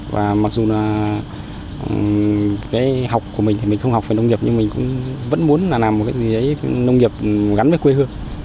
và mặc dù là cái học của mình thì mình không học về nông nghiệp nhưng mình cũng vẫn muốn là làm một cái gì đấy nông nghiệp gắn với quê hương